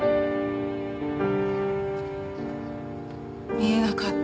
見えなかった。